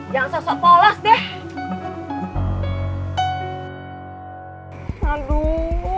jangan sembarangan kamu ngomong ya